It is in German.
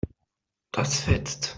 Das fetzt.